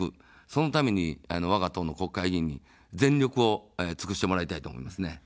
そのために、わが党の国会議員に全力を尽くしてもらいたいと思いますね。